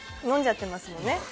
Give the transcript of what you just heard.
飲んじゃってますもんね。